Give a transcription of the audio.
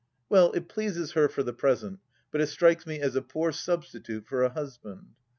Well, it pleases her, for the present, but it strikes me as a poor substitute for a husband.